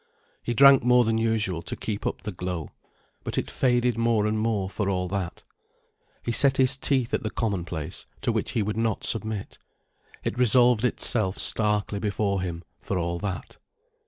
He drank more than usual to keep up the glow. But it faded more and more for all that. He set his teeth at the commonplace, to which he would not submit. It resolved itself starkly before him, for all that.